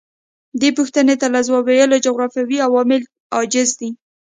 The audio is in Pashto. دې پوښتنې ته له ځواب ویلو جغرافیوي عوامل عاجز دي.